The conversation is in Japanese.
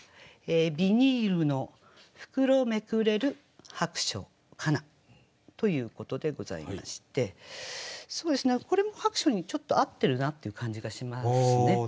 「ビニールの袋めくれる薄暑かな」ということでございましてこれも薄暑にちょっと合ってるなって感じがしますね。